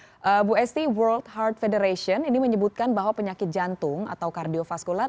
ibu esti world heart federation ini menyebutkan bahwa penyakit jantung atau kardiofaskular